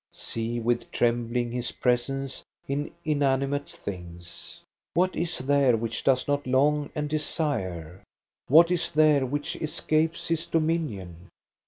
See with trembling his presence in inanimate things! What is there which does not long and desire? What is there which escapes his dominion